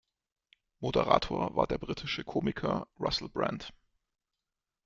Moderator war der britische Komiker Russell Brand.